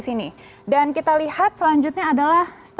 bisnis yang masuk ke kategori ini tidak harus punya karakter yang berbeda